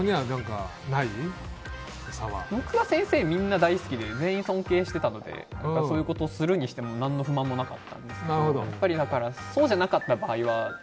僕は先生、みんな大好きで全員尊敬していたのでそういうことをするにしても何の不満もなかったんですけどそうじゃなかった場合は。